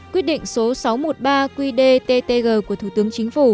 quyết định số ba mươi tám hai nghìn một mươi qdttg